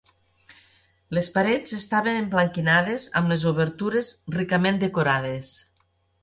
Les parets estaven emblanquinades amb les obertures ricament decorades.